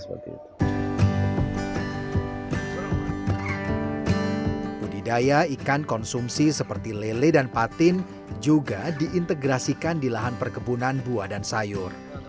budidaya ikan konsumsi seperti lele dan patin juga diintegrasikan di lahan perkebunan buah dan sayur